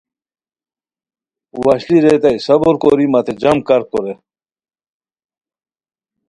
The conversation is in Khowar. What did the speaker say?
وشلی ریتائے صبر کوری متے جم کار کورے